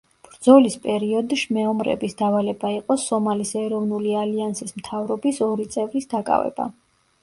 ბრძოლის პერიოდშ მეომრების დავალება იყო „სომალის ეროვნული ალიანსის მთავრობის“ ორი წევრის დაკავება.